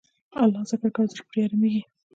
د الله ذکر کوه، زړه پرې آرامیږي.